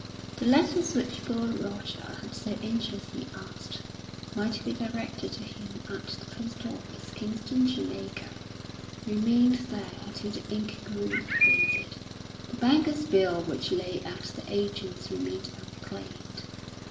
The letters which poor Roger had so anxiously asked might be directed to him at the post office, Kingston, Jamaica, remained there till the ink grew faded; the banker's bill which lay at the agents' remained unclaimed.